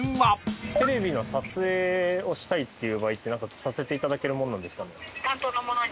テレビの撮影をしたいっていう場合って何かさせていただけるもんなんですかね？